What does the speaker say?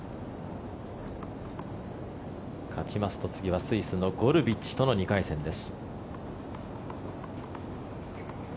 勝ちますと次はスイスのゴルビッチとの２回戦です。